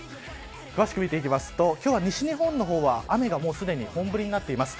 詳しく見ていきますと今日は西日本の方は雨が本降りになっています